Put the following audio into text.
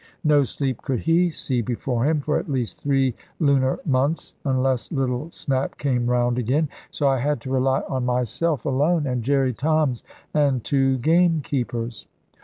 No sleep could he see before him for at least three lunar months, unless little Snap came round again. So I had to rely on myself alone, and Jerry Toms, and two gamekeepers.